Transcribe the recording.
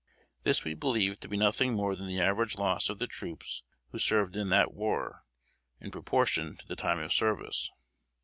This we believe to be nothing more than the average loss of the troops who served in that war, in proportion to the time of service.